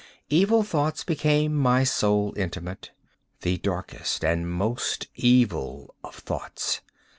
Evil thoughts became my sole intimates—the darkest and most evil of thoughts.